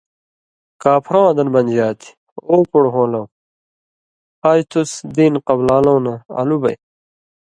(کاپھرہ واں دن بنژا تھی) او پُڑ ہون٘لؤں! آج تُس (دین قبلان٘لؤں نہ) الُوۡ بئ۔